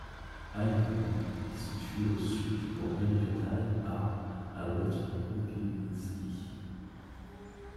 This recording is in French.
Haïvoron est située au sud du Boug méridional, à à l'ouest de Kropyvnytsky.